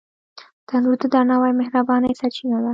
تنور د درناوي او مهربانۍ سرچینه ده